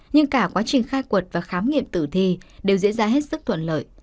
nhưng cả quá trình khai quật và khám nghiệm tử thi đều diễn ra hết sức thuận lợi